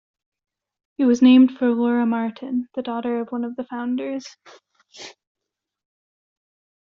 It was named for Laura Martin, the daughter of one of the founders.